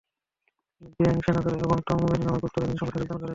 তিনি বেইয়াং সেনাদল এবং তংমংহুই নামক গুপ্ত রাজনৈতিক সংগঠনে যোগদান করেন।